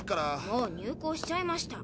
もう入港しちゃいました。